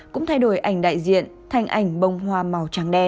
cũng thay đổi ảnh đại diện thành ảnh bông hoa màu trắng đe